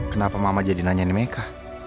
kenapa mama jadi nanyain meka